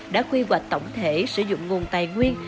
đã quy hoạch tổng thể sử dụng nguồn tài nguyên